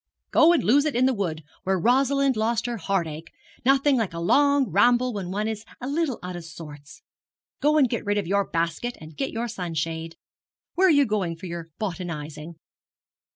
'Go and lose it in the wood, where Rosalind lost her heart ache. Nothing like a long ramble when one is a little out of sorts. Go and get rid of your basket, and get your sunshade. Where are you going for your botanising?'